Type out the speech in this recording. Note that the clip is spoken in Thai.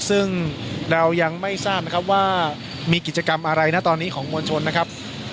ซึ่งเรายังไม่ทราบนะครับว่ามีกิจกรรมอะไรนะตอนนี้ของมวลชนนะครับ